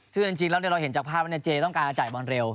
ซึ่งจริงแล้วเราเห็นจากภาพว่าเจต้องการจะจ่ายบอลเร็ว